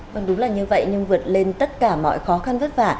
vâng đúng là như vậy nhưng vượt lên tất cả mọi khó khăn vất vả